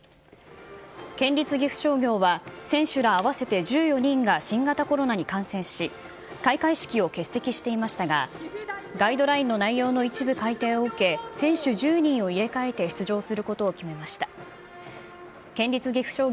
県立岐阜商業は、選手ら合わせて１４人が新型コロナに感染し、開会式を欠席していましたが、ガイドラインの内容の一部改訂を受け、選手１０人を入れ替えて出場することを決めました。